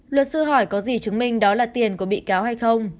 luật sư hỏi có gì chứng minh đó là tiền của bị cáo hay không